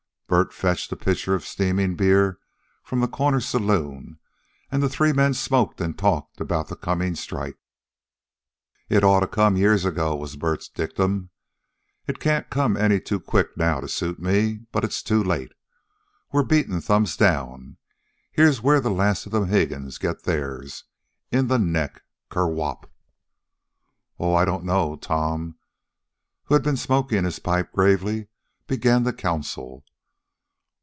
Bert fetched a pitcher of steaming beer from the corner saloon, and the three men smoked and talked about the coming strike. "It oughta come years ago," was Bert's dictum. "It can't come any too quick now to suit me, but it's too late. We're beaten thumbs down. Here's where the last of the Mohegans gets theirs, in the neck, ker whop!" "Oh, I don't know," Tom, who had been smoking his pipe gravely, began to counsel.